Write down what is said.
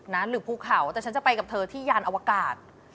หรือภูเขาแต่ฉันจะไปกับเธอที่ยานอวกาศ